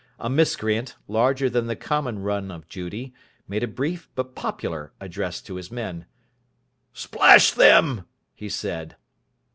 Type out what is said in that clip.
A miscreant, larger than the common run of Judy, made a brief, but popular, address to his men. "Splash them!" he said.